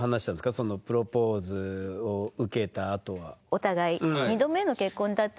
そのプロポーズを受けたあとは。